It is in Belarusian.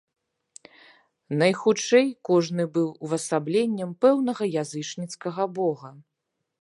Найхутчэй, кожны быў увасабленнем пэўнага язычніцкага бога.